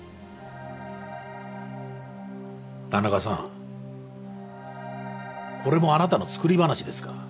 田中さんこれもあなたの作り話ですか？